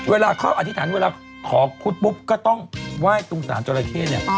เวลาเขาอธิษฐานเวลาขอคุดปุ๊บก็ต้องไหว้ตรงสารจราเข้เนี่ย